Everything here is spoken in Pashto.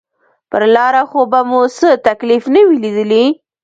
پر لاره خو به مو څه تکليف نه وي ليدلى.